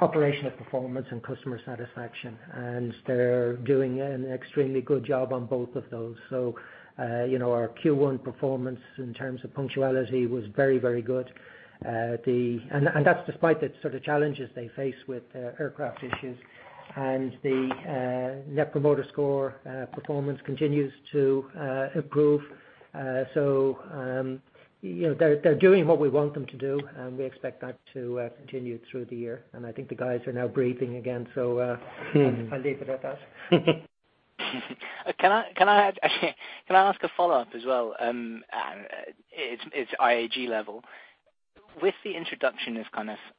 operational performance and customer satisfaction. They're doing an extremely good job on both of those. Our Q1 performance in terms of punctuality was very good. That's despite the sort of challenges they face with aircraft issues. The Net Promoter Score performance continues to improve. They're doing what we want them to do, and we expect that to continue through the year. I think the guys are now breathing again, so I'll leave it at that. Can I ask a follow-up as well? It's IAG level. With the introduction of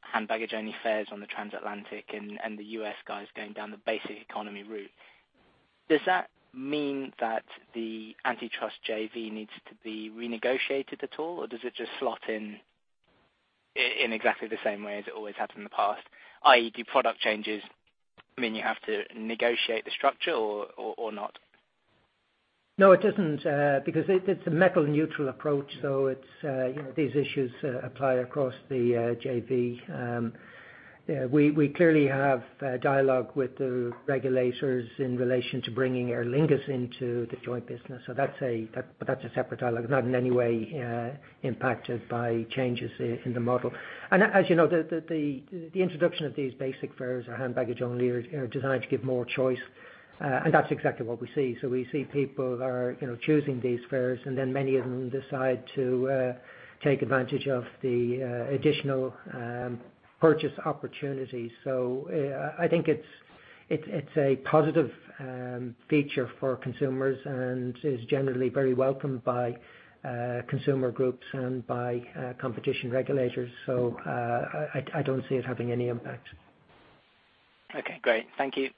hand baggage-only fares on the transatlantic and the U.S. guys going down the basic economy route, does that mean that the antitrust JV needs to be renegotiated at all? Does it just slot in exactly the same way as it always has in the past, i.e., do product changes mean you have to negotiate the structure or not? No, it doesn't, because it's a metal neutral approach. These issues apply across the JV. We clearly have dialogue with the regulators in relation to bringing Aer Lingus into the joint business. That's a separate dialogue. It's not in any way impacted by changes in the model. As you know, the introduction of these basic fares or hand baggage only are designed to give more choice. That's exactly what we see. We see people are choosing these fares, and then many of them decide to take advantage of the additional purchase opportunities. I think it's a positive feature for consumers and is generally very welcomed by consumer groups and by competition regulators. I don't see it having any impact. Okay, great. Thank you.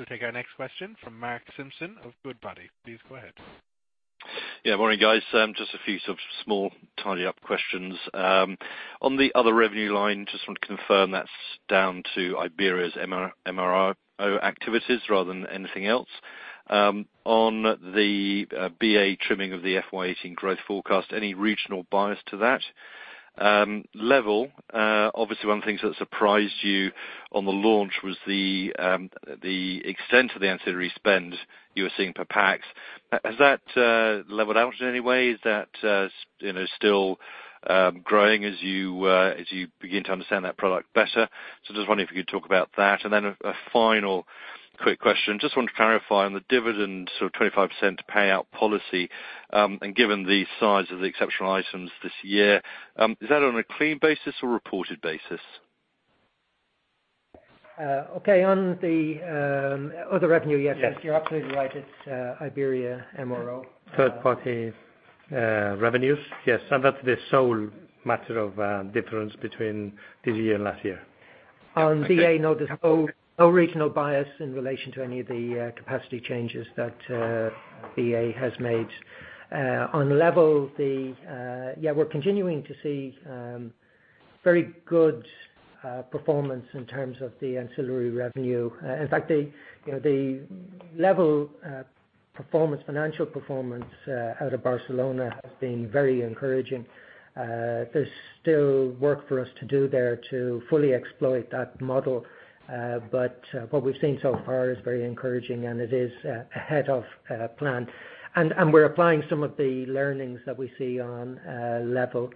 We'll take our next question from Mark Simpson of Goodbody. Please go ahead. Morning, guys. Just a few small tidy-up questions. On the other revenue line, just want to confirm that's down to Iberia's MRO activities rather than anything else. On the BA trimming of the FY 2018 growth forecast, any regional bias to that? LEVEL, obviously, one of the things that surprised you on the launch was the extent of the ancillary spend you were seeing per pax. Has that leveled out in any way? Is that still growing as you begin to understand that product better? Just wondering if you could talk about that. A final quick question. Just want to clarify on the dividend 25% payout policy, and given the size of the exceptional items this year, is that on a clean basis or reported basis? Okay. On the other revenue, yes, you're absolutely right. It's Iberia MRO. Third-party revenues. Yes. That's the sole matter of difference between this year and last year. On British Airways, no, there's no regional bias in relation to any of the capacity changes that British Airways has made. On LEVEL, we're continuing to see very good performance in terms of the ancillary revenue. In fact, the LEVEL financial performance out of Barcelona has been very encouraging. There's still work for us to do there to fully exploit that model. What we've seen so far is very encouraging, and it is ahead of plan. We're applying some of the learnings that we see on LEVEL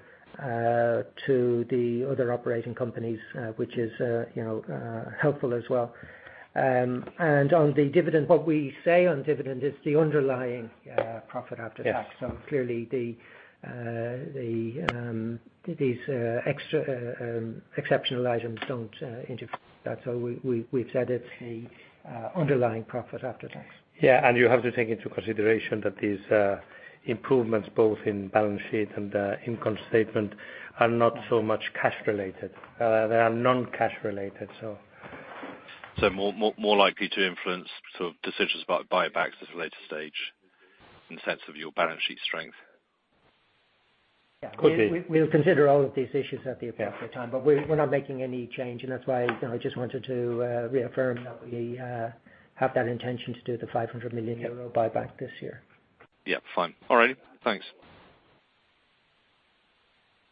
to the other operating companies, which is helpful as well. On the dividend, what we say on dividend is the underlying profit after tax. Yes. Clearly these exceptional items don't interfere with that. We've said it's the underlying profit after tax. You have to take into consideration that these improvements, both in balance sheet and income statement, are not so much cash related. They are non-cash related. more likely to influence decisions about buybacks at a later stage in the sense of your balance sheet strength? Yeah. Could be. We'll consider all of these issues at the appropriate time, but we're not making any change, and that's why I just wanted to reaffirm that we have that intention to do the 500 million euro buyback this year. Yeah, fine. All right. Thanks.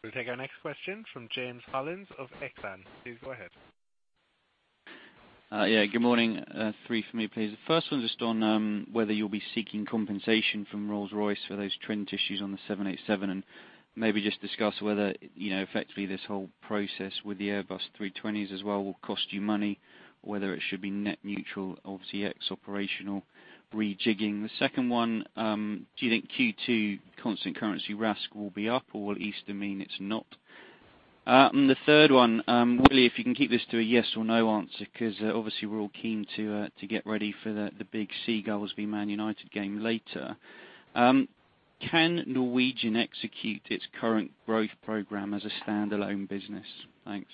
We'll take our next question from James Hollins of Exane. Please go ahead. Yeah, good morning. Three for me, please. The first one just on whether you'll be seeking compensation from Rolls-Royce for those Trent issues on the 787, and maybe just discuss whether effectively this whole process with the Airbus A320s as well will cost you money, whether it should be net neutral, obviously ex operational rejigging. The second one, do you think Q2 constant currency RASK will be up or will Easter mean it's not? The third one, Willie, if you can keep this to a yes or no answer, because obviously we're all keen to get ready for the big Seagulls v Manchester United game later. Can Norwegian execute its current growth program as a standalone business? Thanks.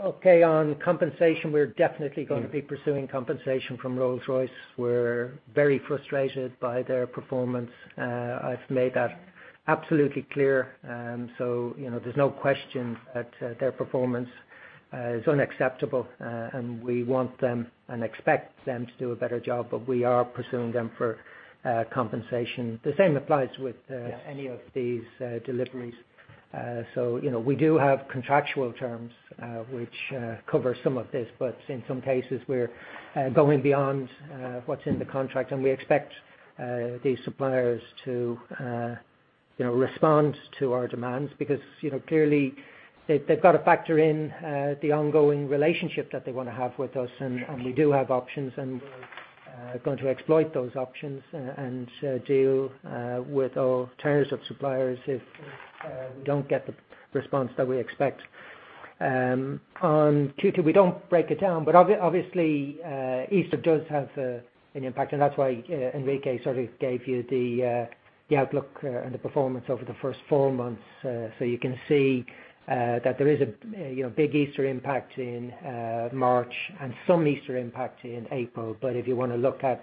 Okay. On compensation, we're definitely going to be pursuing compensation from Rolls-Royce. We're very frustrated by their performance. I've made that absolutely clear. There's no question that their performance is unacceptable, and we want them and expect them to do a better job, but we are pursuing them for compensation. The same applies with any of these deliveries. We do have contractual terms, which cover some of this, but in some cases, we're going beyond what's in the contract, and we expect these suppliers to respond to our demands because clearly they've got to factor in the ongoing relationship that they want to have with us. We do have options and we're going to exploit those options and deal with our tiers of suppliers if we don't get the response that we expect. On Q2, we don't break it down, but obviously, Easter does have an impact and that's why Enrique sort of gave you the outlook and the performance over the first four months. You can see that there is a big Easter impact in March and some Easter impact in April. If you want to look at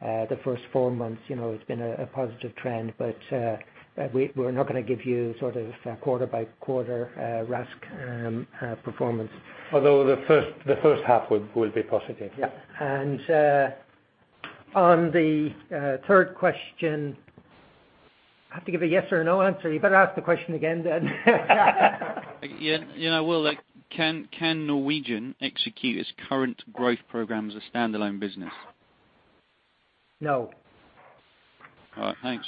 the first four months, it's been a positive trend. We're not going to give you sort of quarter-by-quarter RASK performance. Although the first half will be positive. Yeah. On the third question, I have to give a yes or no answer. You better ask the question again then. Yeah, I will. Can Norwegian execute its current growth program as a standalone business? No. All right. Thanks.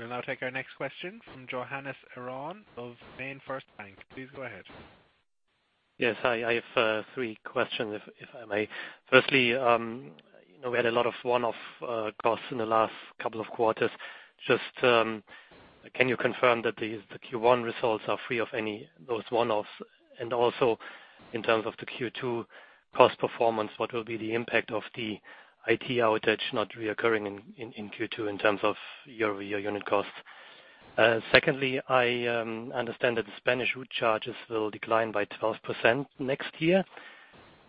We'll now take our next question from Johannes Eron of MainFirst Bank. Please go ahead. Yes, hi. I have three questions, if I may. Firstly, we had a lot of one-off costs in the last couple of quarters. Just, can you confirm that the Q1 results are free of any, those one-offs? Also, in terms of the Q2 cost performance, what will be the impact of the IT outage not reoccurring in Q2 in terms of year-over-year unit costs? Secondly, I understand that the Spanish route charges will decline by 12% next year.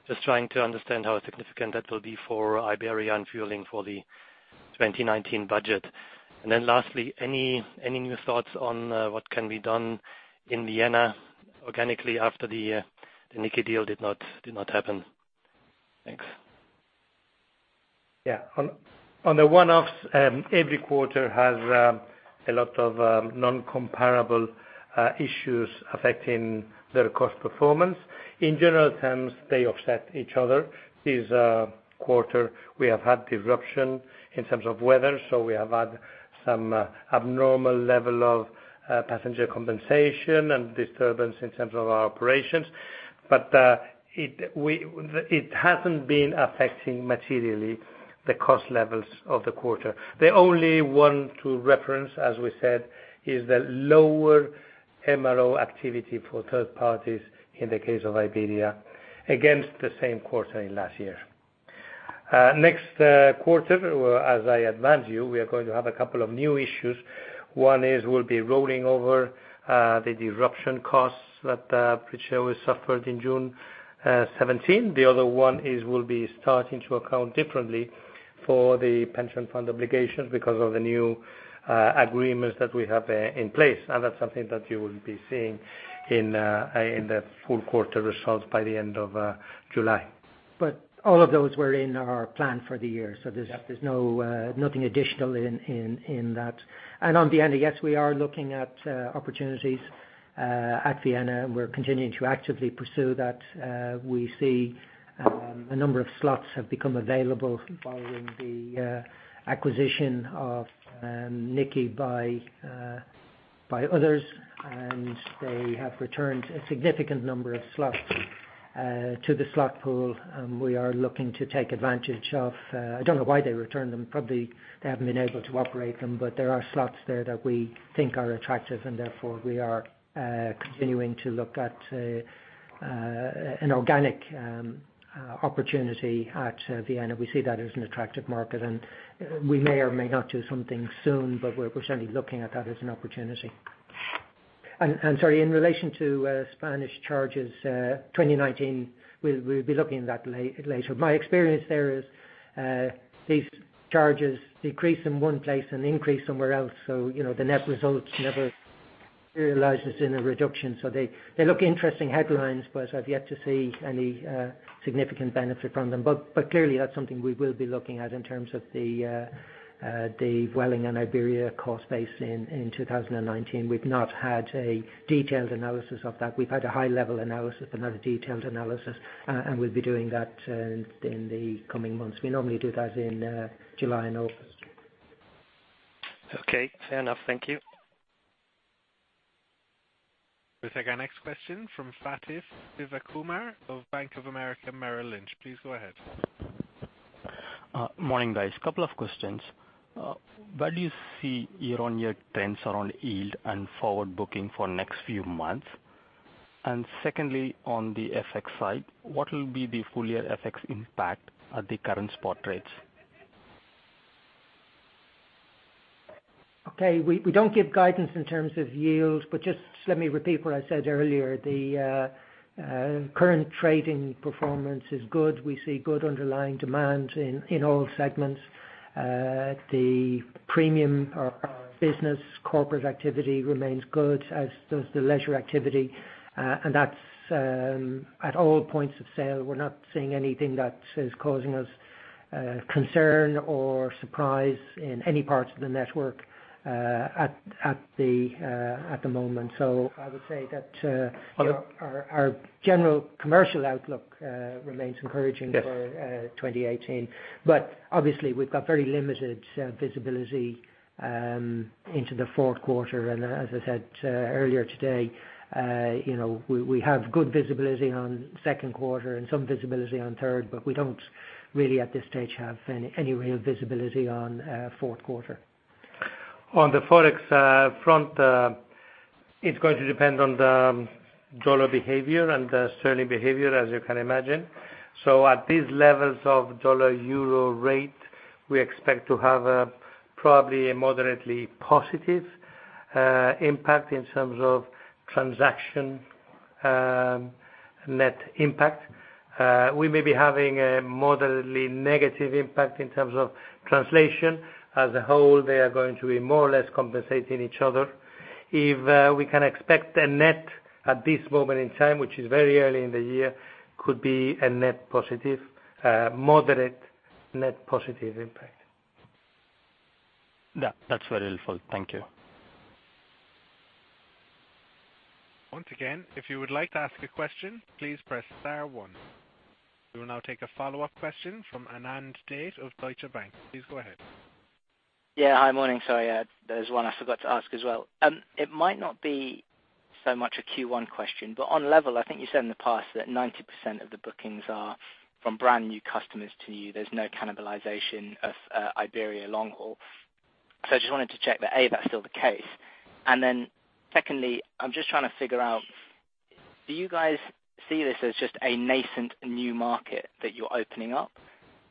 Just trying to understand how significant that will be for Iberia and Vueling for the 2019 budget. Lastly, any new thoughts on what can be done in Vienna organically after the Niki deal did not happen? Thanks. On the one-offs, every quarter has a lot of non-comparable issues affecting their cost performance. In general terms, they offset each other. This quarter, we have had disruption in terms of weather, we have had some abnormal level of passenger compensation and disturbance in terms of our operations. It hasn't been affecting materially the cost levels of the quarter. The only one to reference, as we said, is the lower MRO activity for third parties in the case of Iberia against the same quarter in last year. Next quarter, as I advised you, we are going to have a couple of new issues. One is we'll be rolling over the disruption costs that British Airways suffered in June 2017. The other one is we'll be starting to account differently for the pension fund obligations because of the new agreements that we have in place. That's something that you will be seeing in the full quarter results by the end of July. All of those were in our plan for the year. Yeah. There's nothing additional in that. On Vienna, yes, we are looking at opportunities at Vienna, and we're continuing to actively pursue that. We see a number of slots have become available following the acquisition of NIKI by others, and they have returned a significant number of slots to the slot pool and we are looking to take advantage of. I don't know why they returned them. Probably they haven't been able to operate them, but there are slots there that we think are attractive and therefore we are continuing to look at an organic opportunity at Vienna. We see that as an attractive market, and we may or may not do something soon, but we're certainly looking at that as an opportunity. Sorry, in relation to Spanish charges, 2019, we'll be looking at that later. My experience there is these charges decrease in one place and increase somewhere else, the net results never materializes in a reduction. They look interesting headlines, but I've yet to see any significant benefit from them. Clearly, that's something we will be looking at in terms of the Vueling and Iberia cost base in 2019. We've not had a detailed analysis of that. We've had a high-level analysis, but not a detailed analysis. We'll be doing that in the coming months. We normally do that in July and August. Okay, fair enough. Thank you. We'll take our next question from Sathish Sivakumar of Bank of America Merrill Lynch. Please go ahead. Morning, guys. Couple of questions. Where do you see year-on-year trends around yield and forward booking for next few months? Secondly, on the FX side, what will be the full year FX impact at the current spot rates? Okay. We don't give guidance in terms of yields. Just let me repeat what I said earlier. The current trading performance is good. We see good underlying demand in all segments. The premium or business corporate activity remains good, as does the leisure activity, and that's at all points of sale. We're not seeing anything that is causing us concern or surprise in any parts of the network at the moment. I would say that our general commercial outlook remains encouraging. Yes for 2018. Obviously, we've got very limited visibility into the fourth quarter. As I said earlier today, we have good visibility on second quarter and some visibility on third, but we don't really, at this stage, have any real visibility on fourth quarter. On the Forex front, it's going to depend on the dollar behavior and the sterling behavior, as you can imagine. At these levels of dollar-euro rate, we expect to have probably a moderately positive impact in terms of transaction net impact. We may be having a moderately negative impact in terms of translation. As a whole, they are going to be more or less compensating each other. If we can expect a net at this moment in time, which is very early in the year, could be a moderate net positive impact. That's very helpful. Thank you. Once again, if you would like to ask a question, please press star one. We will now take a follow-up question from Anand Date of Deutsche Bank. Please go ahead. Hi, morning. Sorry, there's one I forgot to ask as well. It might not be so much a Q1 question, but on LEVEL, I think you said in the past that 90% of the bookings are from brand-new customers to you. There's no cannibalization of Iberia long-haul. I just wanted to check that, A, that's still the case. Secondly, I'm just trying to figure out, do you guys see this as just a nascent new market that you're opening up?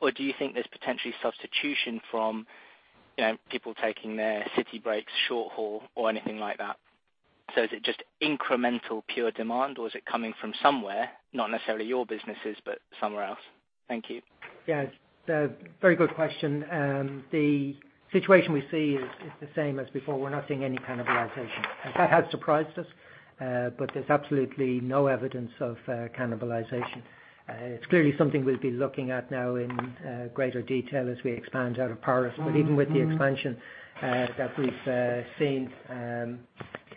Or do you think there's potentially substitution from people taking their city breaks short-haul or anything like that? Is it just incremental pure demand, or is it coming from somewhere, not necessarily your businesses, but somewhere else? Thank you. Yeah. Very good question. The situation we see is the same as before. We're not seeing any cannibalization. That has surprised us, but there's absolutely no evidence of cannibalization. It's clearly something we'll be looking at now in greater detail as we expand out of Paris. Even with the expansion that we've seen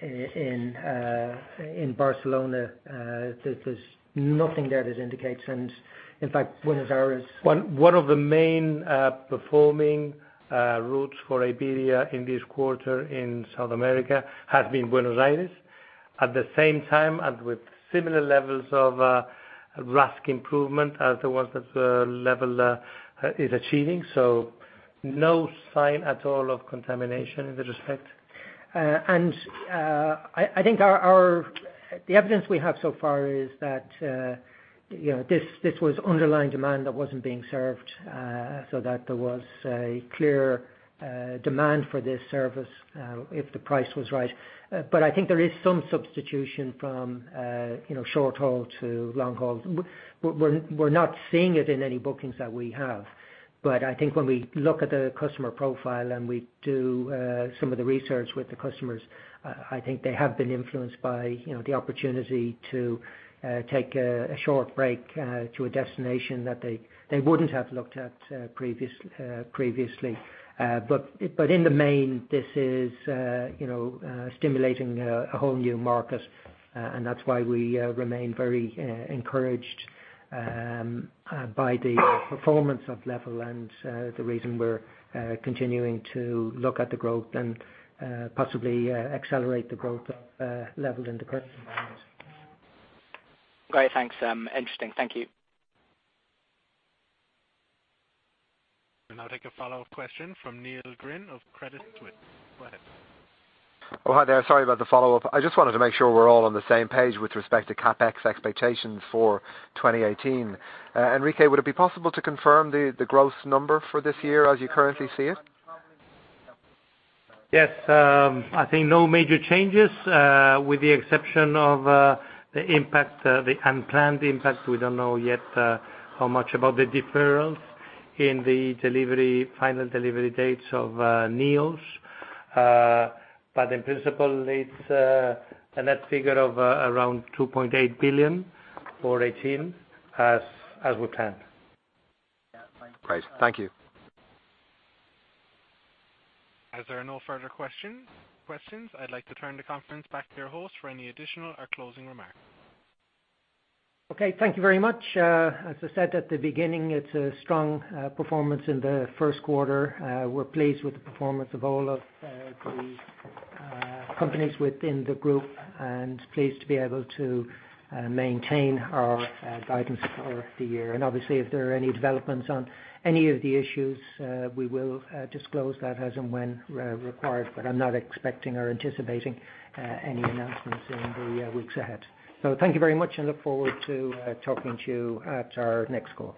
in Barcelona, there's nothing there that indicates. In fact, Buenos Aires- One of the main performing routes for Iberia in this quarter in South America has been Buenos Aires. At the same time, with similar levels of RASK improvement as the ones that LEVEL is achieving. No sign at all of contamination in that respect. I think the evidence we have so far is that this was underlying demand that wasn't being served, so that there was a clear demand for this service if the price was right. I think there is some substitution from short-haul to long-haul. We're not seeing it in any bookings that we have. I think when we look at the customer profile and we do some of the research with the customers, I think they have been influenced by the opportunity to take a short break to a destination that they wouldn't have looked at previously. In the main, this is stimulating a whole new market, and that's why we remain very encouraged by the performance of LEVEL and the reason we're continuing to look at the growth and possibly accelerate the growth of LEVEL in the current environment. Great, thanks. Interesting. Thank you. We'll now take a follow-up question from Neil Glynn of Credit Suisse. Go ahead. Hi there. Sorry about the follow-up. I just wanted to make sure we're all on the same page with respect to CapEx expectations for 2018. Enrique, would it be possible to confirm the gross number for this year as you currently see it? Yes. I think no major changes, with the exception of the unplanned impact. We don't know yet how much about the deferrals in the final delivery dates of neos. In principle, it's a net figure of around 2.8 billion for 2018 as we planned. Great. Thank you. As there are no further questions, I'd like to turn the conference back to your host for any additional or closing remarks. Okay. Thank you very much. As I said at the beginning, it's a strong performance in the first quarter. We're pleased with the performance of all of the companies within the group and pleased to be able to maintain our guidance for the year. Obviously, if there are any developments on any of the issues, we will disclose that as and when required, but I'm not expecting or anticipating any announcements in the weeks ahead. Thank you very much and look forward to talking to you at our next call.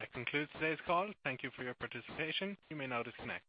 That concludes today's call. Thank you for your participation. You may now disconnect.